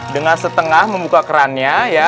dengan setengah membuka kerannya ya